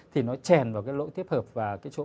thì nó trèn vào cái lỗ tiếp hợp và cái chỗ